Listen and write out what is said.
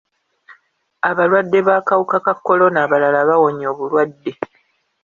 Abalwadde b'akawuka ka kolona abalala bawonye obulwadde.